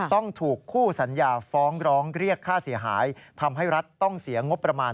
ต้องถูกคู่สัญญาฟ้องร้องเรียกค่าเสียหายทำให้รัฐต้องเสียงบประมาณ